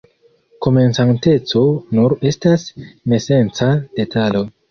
Komencanteco nur estas nesenca detalo.